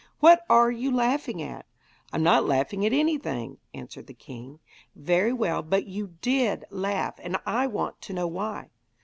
What are you laughing at?' 'I'm not laughing at anything,' answered the king. 'Very well, but you did laugh, and I want to know why.'